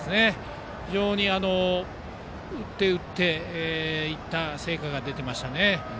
非常に打って打っていった成果が出ていましたね。